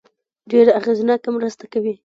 ډېره اغېزناکه مرسته کوي.